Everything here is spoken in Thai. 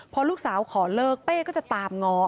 พอลูกสาวขอเลิกเป้ก็จะตามง้อ